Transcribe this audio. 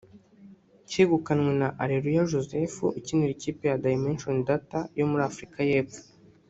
kegukanywe na Aleluya Joseph ukinira ikipe ya Dimension Data yo muri Afurika y’epfo